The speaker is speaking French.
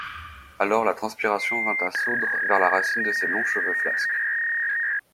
Alors la transpiration vint à sourdre vers la racine de ses longs cheveux flasques.